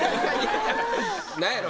何やろ。